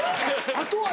あとは？